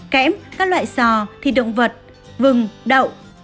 kém các loại sò thịt động vật vừng đậu